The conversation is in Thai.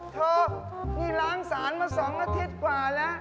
เธอนี่ล้างสารมา๒อาทิตย์กว่าแล้ว